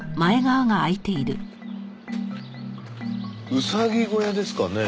ウサギ小屋ですかね？